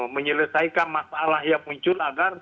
menyelesaikan masalah yang muncul